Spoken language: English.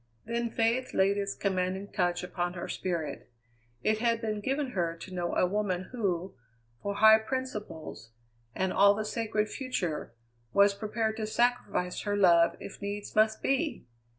Then faith laid its commanding touch upon her spirit. It had been given her to know a woman who, for high principles and all the sacred future, was prepared to sacrifice her love if needs must be!